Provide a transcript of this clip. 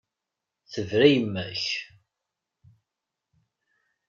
Tebra yemma-k.